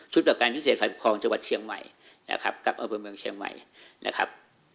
กับการพิเศษฝ่ายปกครองจังหวัดเชียงใหม่นะครับกับอำเภอเมืองเชียงใหม่นะครับ